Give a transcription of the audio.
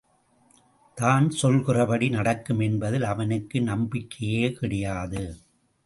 தான் சொல்கிறபடி நடக்கும் என்பதில் அவனுக்கு நம்பிக்கையே கிடையாது.